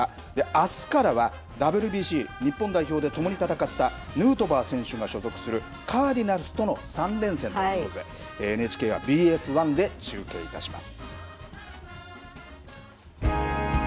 あすからは、ＷＢＣ日本代表で共に戦ったヌートバー選手が所属する、カーディナルスとの３連戦ということで、ＮＨＫはＢＳ１で中継いたします。